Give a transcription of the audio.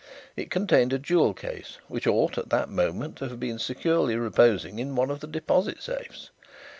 It contained a jewel case which ought at that moment to have been securely reposing in one of the deposit safes.